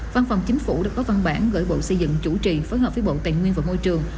văn phòng chính phủ đã có văn bản gửi bộ xây dựng chủ trì phối hợp với bộ tài nguyên và môi trường